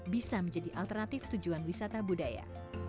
bisa menjadi alternatif tujuan wisata budaya